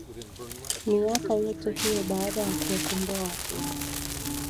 miaka yote hiyo baada ya kuwakomboa watu wake